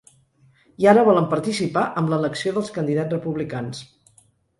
I ara volen participar amb l’elecció dels candidats republicans.